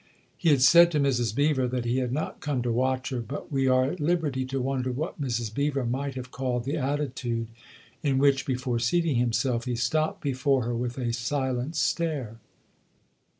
He had said to Mrs. Beever that he had not come to watch her, but we are at liberty to wonder what Mrs. Beever might have called the attitude in which, before seating himself, he stopped before her with a silent stare.